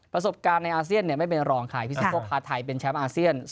ประสบการณ์ในอาเซียนไม่เป็นรองใครพิซิโก้พาไทยเป็นแชมป์อาเซียน